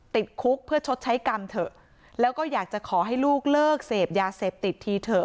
ติดคุกเพื่อชดใช้กรรมเถอะแล้วก็อยากจะขอให้ลูกเลิกเสพยาเสพติดทีเถอะ